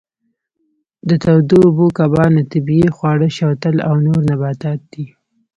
د تودو اوبو کبانو طبیعي خواړه شوتل او نور نباتات دي.